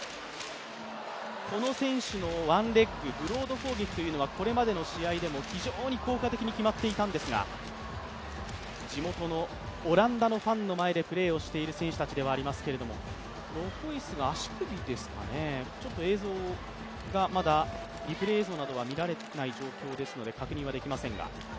この選手のワンレッグ、ブロード攻撃というのはこれまでの試合でも非常に効果的に決まっていたんですが、地元のオランダのファンの前でプレーをしている選手たちではありますがロホイスが足首ですかね、ちょっとリプレー映像などが見られない状態ですので確認はできませんが。